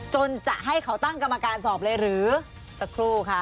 จนจะให้เขาตั้งกรรมการสอบเลยหรือสักครู่ค่ะ